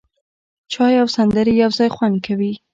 چای او سندرې یو ځای خوند کوي.